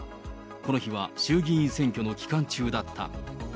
この日は衆議院選挙の期間中だった。